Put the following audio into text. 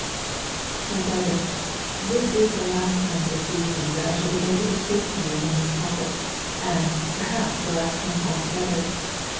My brethren, this is the last time this season that I shall be able to speak to you from this pulpit; and, perhaps, the last time altogether.